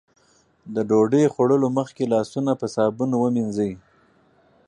د ډوډۍ خوړلو مخکې لاسونه په صابون ومينځئ.